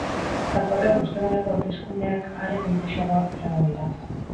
Datorren osteguneko hauteskundeak are konplexuagoak izango dira.